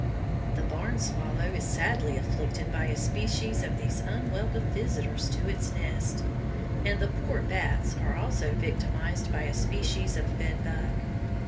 The barn swallow is sadly afflicted by a species of these unwelcome visitors to its nest, and the poor bats are also victimized by a species of bed bug.